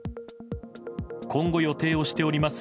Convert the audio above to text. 今後、予定をしております